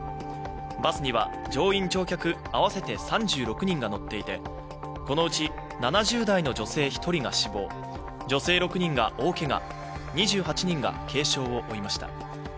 バスには乗員乗客合わせて３６人が乗っていて、このうち７０代の女性１人が死亡、女性６人が大けが２８人が軽傷を負いました。